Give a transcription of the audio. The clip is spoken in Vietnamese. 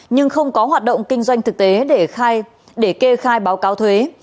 nhưng không có hoạt động kinh doanh thực tế để kê khai báo cáo thuế